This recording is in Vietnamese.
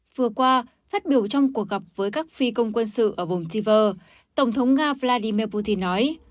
vừa qua phát biểu trong cuộc gặp với các phi công quân sự ở vùng tiver tổng thống nga vladimir putin nói